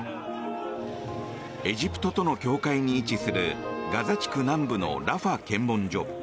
エジプトとの境界に位置するガザ地区南部のラファ検問所。